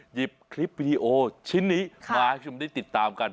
หยิบคลิปวิดีโอชิ้นนี้มาให้คุณผู้ชมได้ติดตามกัน